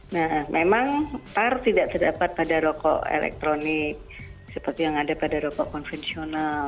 nah memang par tidak terdapat pada rokok elektronik seperti yang ada pada rokok konvensional